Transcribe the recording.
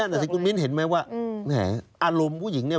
นั่นแหละสิคุณมิ้นเห็นไหมว่าแหมอารมณ์ผู้หญิงเนี่ย